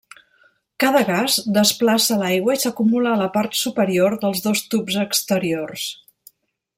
Cada gas desplaça l'aigua i s'acumula a la part superior dels dos tubs exteriors.